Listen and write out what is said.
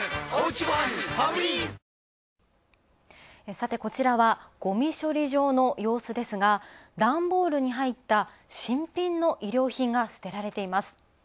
さてこちらは、ごみ処理場の様子ですが、段ボールに入った新品の衣料品が捨てられています。